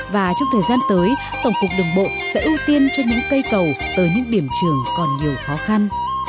và trong thời gian tới tổng cục đường bộ sẽ ưu tiên cho những cây cầu tới những điểm trường còn nhiều khó khăn